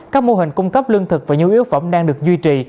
các mô hình cung cấp lương thực và nhu yếu phẩm đang được duy trì